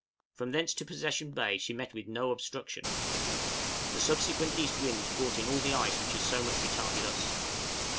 From thence to Possession Bay she met with no obstruction. The subsequent east winds brought in all the ice which has so much retarded us.